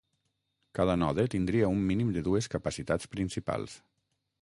Cada node tindria un mínim de dues capacitats principals.